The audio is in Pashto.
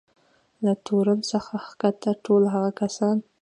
له تورن څخه کښته ټول هغه کسان.